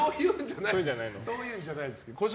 そういうんじゃないですけど。